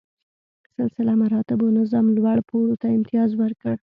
سلسله مراتبو نظام لوړ پوړو ته امتیاز ورکړ.